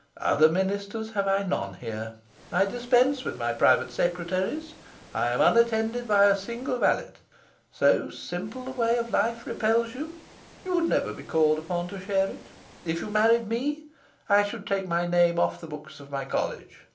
Other ministers have I none here. I dispense with my private secretaries. I am unattended by a single valet. So simple a way of life repels you? You would never be called upon to share it. If you married me, I should take my name off the books of my College.